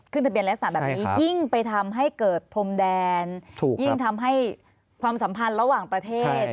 ทะเบียนลักษณะแบบนี้ยิ่งไปทำให้เกิดพรมแดนยิ่งทำให้ความสัมพันธ์ระหว่างประเทศ